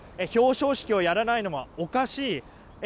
表彰式をやらないのはおかしい。